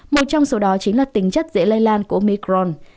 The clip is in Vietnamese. một trong số đó chính là tính chất dễ lây lan của omicron